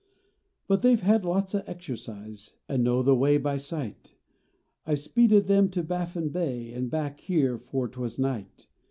But they ve had lots o exercise, An know the way by sight ; I ve speeded them to Baffin s Bay An back here fore twas night.